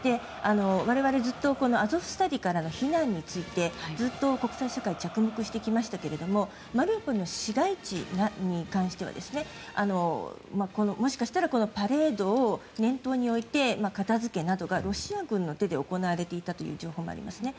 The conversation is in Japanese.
我々、ずっとアゾフスタリからの避難についてずっと国際社会着目してきましたけれどもマリウポリの市街地に関してはもしかしたらパレードを念頭に置いて片付けなどがロシア軍の手で行われていたという情報もありますね。